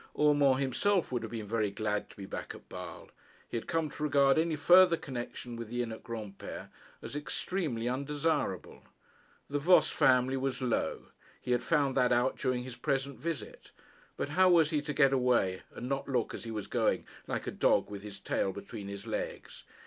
Urmand himself would have been very glad to be back at Basle. He had come to regard any farther connection with the inn at Granpere as extremely undesirable. The Voss family was low. He had found that out during his present visit. But how was he to get away, and not look, as he was going, like a dog with his tail between his legs?